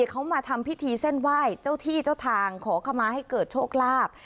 เขามาทำพิธีเส้นไหว้เจ้าที่เจ้าทางขอขมาให้เกิดโชคลาภ